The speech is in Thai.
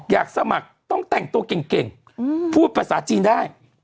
อยากสมัครต้องแต่งตัวเก่งพูดภาษาจีนได้